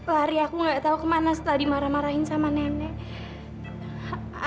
lari aku nggak tahu kemana setelah dimarah marahin sama nenek